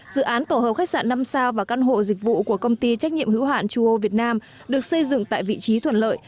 dự án tổ hợp khách sạn năm sao và căn hộ dịch vụ của công ty trách nhiệm hữu hạn chuô việt nam được xây dựng tại vị trí thuận lợi